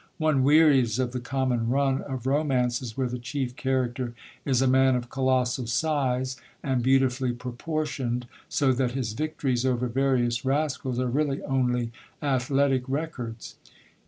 One wearies of the common run of romances, where the chief character is a man of colossal size and beautifully proportioned, so that his victories over various rascals are really only athletic records.